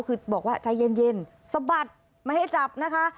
คือบอกว่าใจเย็นสะบัดไม่ให้จับนะคะ